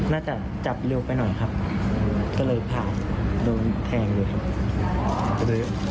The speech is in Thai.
น่าจะจับเร็วไปหน่อยครับก็เลยผ่านโดนแทงเลยครับ